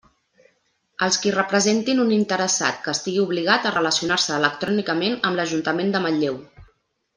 Els qui representin un interessat que estigui obligat a relacionar-se electrònicament amb l'Ajuntament de Manlleu.